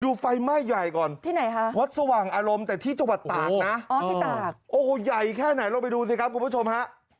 ดูไฟไหม้ใหญ่ก่อนวัดสว่างอารมณ์แต่ที่จังหวัดตากนะโอ้โหใหญ่แค่ไหนเราไปดูสิครับคุณผู้ชมฮะ